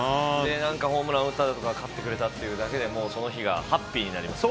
なんかホームラン打ったとか、勝ってくれたというだけでも、その日がハッピーになります。